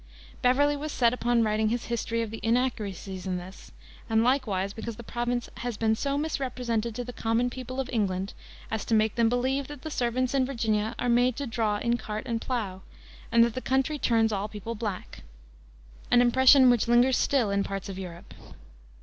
Beverley was set upon writing his history by the inaccuracies in this, and likewise because the province "has been so misrepresented to the common people of England as to make them believe that the servants in Virginia are made to draw in cart and plow, and that the country turns all people black," an impression which lingers still in parts of Europe.